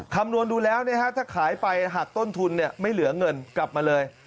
คำนวณดูแล้วถ้าขายไปหักต้นทุนไม่เหลือเงินกลับมาเลย